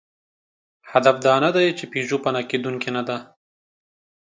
هدف دا نهدی، چې پيژو فنا کېدونکې نهده.